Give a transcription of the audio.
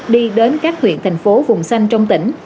đi đến các huyện thành phố vùng xanh trong tỉnh